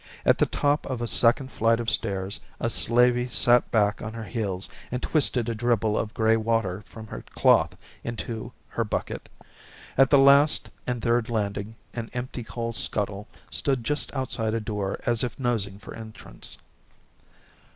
At the top of a second flight of stairs a slavey sat back on her heels and twisted a dribble of gray water from her cloth into her bucket. At the last and third landing an empty coal scuttle stood just outside a door as if nosing for entrance.